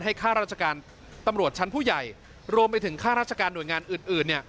ข้าราชการตำรวจชั้นผู้ใหญ่รวมไปถึงค่าราชการหน่วยงานอื่นเนี่ย